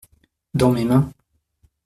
Dans mes mains.